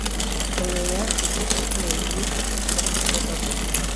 kumenya igice cy'umubiri bari kuvugaho,